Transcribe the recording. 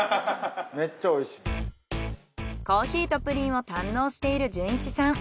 コーヒーとプリンを堪能しているじゅんいちさん。